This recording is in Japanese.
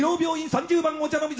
３０番御茶ノ水。